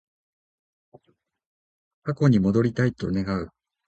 過去に戻りたいと願う